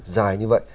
dài như vậy